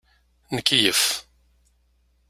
Nkeyyef.